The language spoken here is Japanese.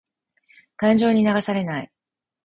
感情に流されない。